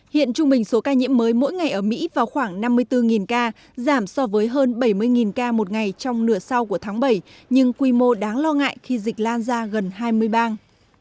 hiện trung bình số ca nhiễm mới mỗi ngày ở mỹ vào khoảng năm mươi bốn ca giảm so với hơn bảy mươi ca một ngày trong nửa sau của tháng bảy nhưng quy mô đáng lo ngại khi dịch lan ra gần hai mươi bang